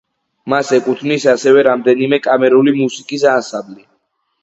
მას ეკუთვნის ასევე რამდენიმე კამერული მუსიკის ანსამბლი.